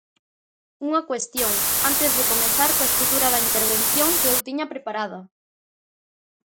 Unha cuestión, antes de comezar coa estrutura da intervención que eu tiña preparada.